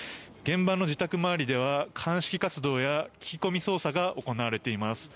現場の自宅周りでは鑑識活動や聞き込み調査が行われています。